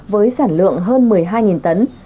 với sản lượng hơn một mươi hai tấn